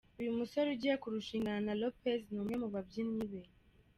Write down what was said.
Uyu musore ugiye kurushingana na Lopez ni umwe mu babyinnyi be.